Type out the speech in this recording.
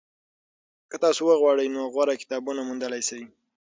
که تاسو وغواړئ نو غوره کتابونه موندلی شئ.